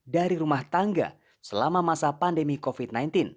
dari rumah tangga selama masa pandemi covid sembilan belas